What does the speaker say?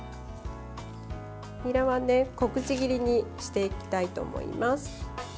にらは小口切りにしていきたいと思います。